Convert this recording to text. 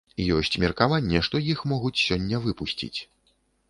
Ёсць меркаванне, што іх могуць сёння выпусціць.